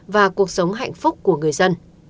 và cuộc sống hạnh phúc của người dân